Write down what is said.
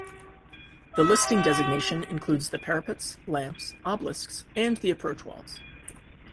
The listing designation includes the parapets, lamps, obelisks and the approach walls.